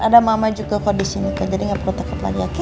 ada mama juga kok disini kok jadi gak perlu tekat lagi oke